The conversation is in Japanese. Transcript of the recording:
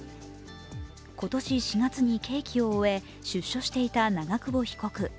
今年４月に刑期を終え出所していた長久保被告。